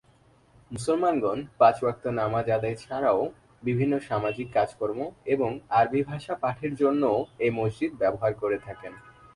মুসলমানগণ পাঁচ ওয়াক্ত নামাজ আদায় ছাড়াও, বিভিন্ন সামাজিক কাজকর্ম এবং আরবি ভাষা পাঠের জন্যও এই মসজিদ ব্যবহার করে থাকেন।